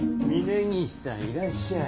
峰岸さんいらっしゃい。